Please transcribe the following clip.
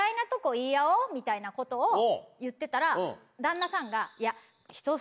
みたいなことを言ってたら旦那さんが。って言ったら。